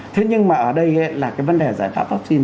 thế nhưng mà ở đây là cái vấn đề giải pháp vaccine